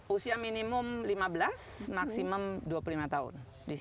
usia minimum lima belas maksimum dua puluh lima tahun